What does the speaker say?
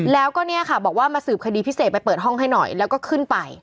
แล้วก็เนี่ยค่ะบอกว่ามาสืบคดีพิเศษไปเปิดห้องให้หน่อยแล้วก็ขึ้นไป